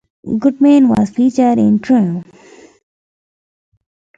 Goodman was featured in "Treme".